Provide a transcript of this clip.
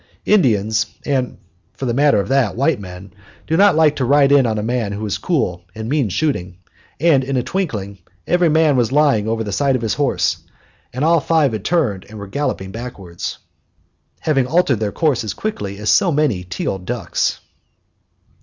Indians and, for the matter of that, white men do not like to ride in on a man who is cool and means shooting, and in a twinkling every man was lying over the side of his horse, and all five had turned and were galloping backwards, having altered their course as quickly as so many teal ducks.